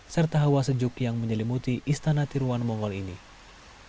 serta hawa sejuk yang menyelimuti istana tiruan mongol indonesia